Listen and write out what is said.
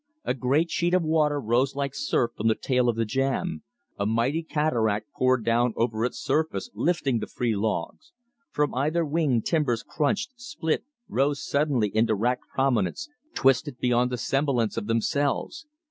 A great sheet of water rose like surf from the tail of the jam; a mighty cataract poured down over its surface, lifting the free logs; from either wing timbers crunched, split, rose suddenly into wracked prominence, twisted beyond the semblance of themselves.